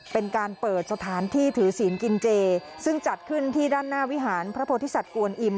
เป็นการเปิดสถานที่ถือศีลกินเจซึ่งจัดขึ้นที่ด้านหน้าวิหารพระโพธิสัตว์กวนอิม